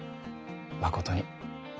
まことに。